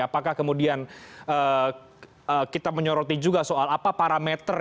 apakah kemudian kita menyoroti juga soal apa parameter